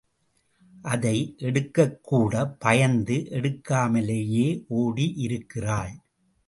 அதை எடுக்கக்கூடப் பயந்து எடுக்காமலேயே ஒடியிருக்கிறாள்.